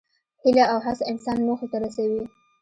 هیله او هڅه انسان موخې ته رسوي.